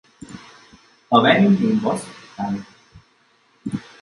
A variant name was "Tyre".